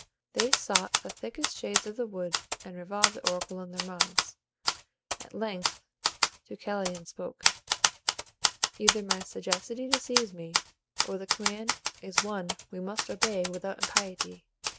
They sought the thickest shades of the wood, and revolved the oracle in their minds. At length Deucalion spoke: "Either my sagacity deceives me, or the command is one we may obey without impiety.